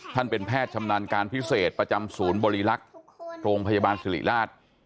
ท่านเป็นแพทย์ชำนาญการพิเศษประจำศูนย์บริลักษณ์โรงพยาบาลสิริราช